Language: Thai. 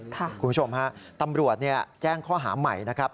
คุณผู้ชมฮะตำรวจแจ้งข้อหาใหม่นะครับ